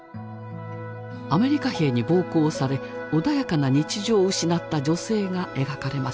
アメリカ兵に暴行され穏やかな日常を失った女性が描かれました。